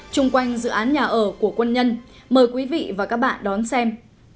chung quanh dự án nhà ở của quân nhân mời quý vị và các bạn đón xem